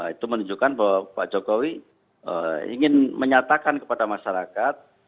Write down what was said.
itu menunjukkan bahwa pak jokowi ingin menyatakan kepada masyarakat